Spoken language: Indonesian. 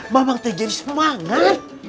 mamang terjadi semangat